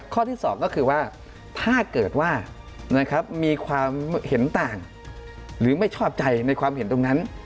ข้อที่๒ก็คือว่าถ้าเกิดว่ามีความเห็นต่างหรือไม่ชอบใจในความเห็นตรงนั้น